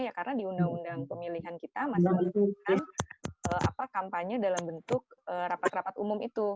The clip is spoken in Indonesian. ya karena di undang undang pemilihan kita masih melakukan kampanye dalam bentuk rapat rapat umum itu